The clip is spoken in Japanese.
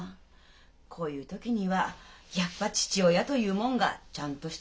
こういう時にはやっぱ父親というもんがちゃんとして。